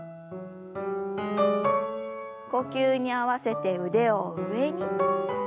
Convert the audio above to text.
呼吸に合わせて腕を上に。